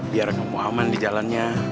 biar kamu aman di jalannya